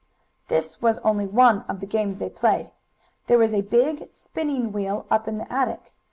This was only one of the games they played. There was a big spinning wheel up in the attic.